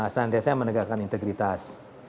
senandiasnya menegakkan integritas